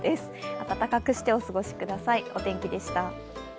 温かくしてお過ごしください。